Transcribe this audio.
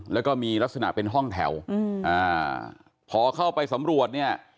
แล้วก็มีลักษณะเป็นห้องแถวอืมอ่าพอเข้าไปสำรวจเนี่ย